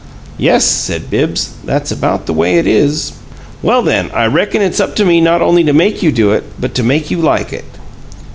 "Yes," said Bibbs, "that's about the way it is." "Well, then, I reckon it's up to me not only to make you do it, but to make you like it!"